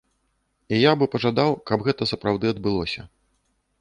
І я бы пажадаў, каб гэта сапраўды адбылося.